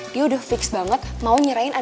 dia udah fix banget mau nyerahin